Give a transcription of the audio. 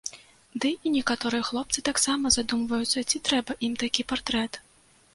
Ды і некаторыя хлопцы таксама задумваюцца ці трэба ім такі партрэт.